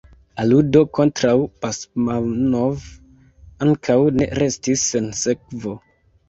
Aludo kontraŭ Basmanov ankaŭ ne restis sen sekvo.